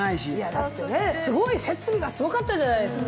だって、設備がすごかったじゃないですか。